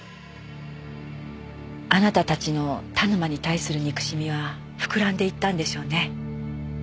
あなたたちの田沼に対する憎しみは膨らんでいったんでしょうね。